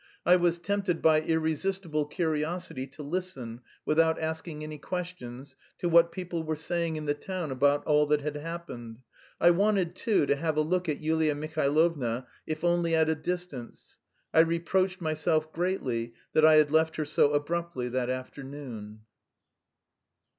I was tempted by irresistible curiosity to listen, without asking any questions, to what people were saying in the town about all that had happened. I wanted, too, to have a look at Yulia Mihailovna, if only at a distance. I reproached myself greatly that I had left her so abruptly that afternoon.